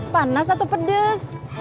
panas atau pedes